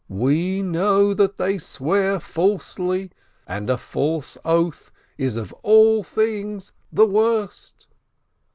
We know that they swear falsely — and a false oath is of all things the worst."